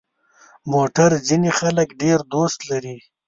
موټر ځینې خلک ډېر دوست لري.